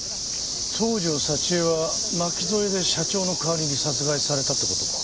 東条沙知絵は巻き添えで社長の代わりに殺害されたって事か。